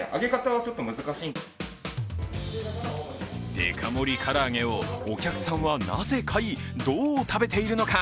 デカ盛り唐揚げをお客さんはなぜ買い、どう食べているのか。